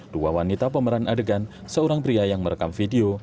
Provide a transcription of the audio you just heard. dua wanita pemeran adegan seorang pria yang merekam video